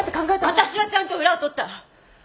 私はちゃんと裏を取った！